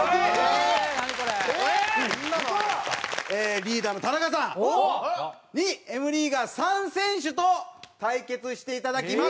リーダーの田中さんにＭリーガー３選手と対決していただきます！